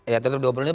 ya tetap diobrolin